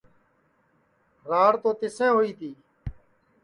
کہ راڑ تو تیسے ہوئی تی